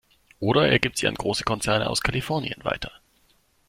Oder er gibt sie an große Konzerne aus Kalifornien weiter.